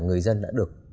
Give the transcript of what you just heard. người dân đã được